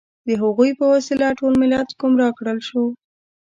د هغوی په وسیله ټول ملت ګمراه کړل شو.